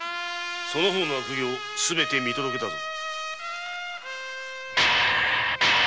その方の悪業すべて見届けたぞ。